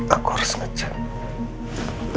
aku harus ngecek